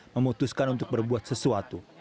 memutuskan untuk berbuat sesuatu